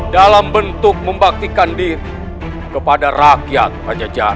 dalam bentuk membaktikan diri kepada rakyat raja jahat